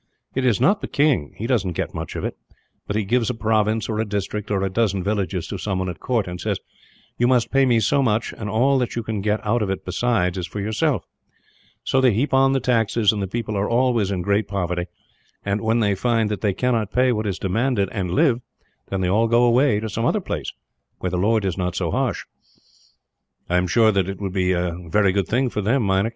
It is not the king he does not get much of it but he gives a province, or a district, or a dozen villages to someone at court; and says, 'you must pay me so much, and all that you can get out of it, besides, is for yourself;' so they heap on the taxes, and the people are always in great poverty and, when they find that they cannot pay what is demanded and live, then they all go away to some other place, where the lord is not so harsh." "I am sure that it would be a good thing for them, Meinik.